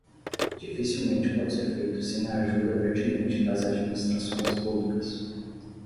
Dificilmente pode ser feito sem a ajuda pertinente das administrações públicas.